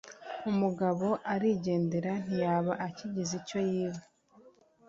Umugabo arigendera, ntiyaba akigize icyo yiba